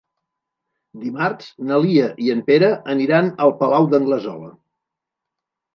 Dimarts na Lia i en Pere aniran al Palau d'Anglesola.